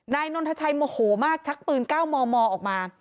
นายนนทชัยโมโหมากชักปืน๙มมออกมา